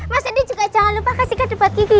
mas rendy juga jangan lupa kasih kadebat gigi ya